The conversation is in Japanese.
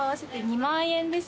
２万円です。